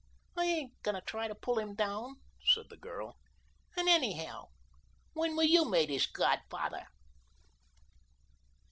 "I ain't going to try to pull him down," said the girl. "And anyhow, when were you made his godfather?"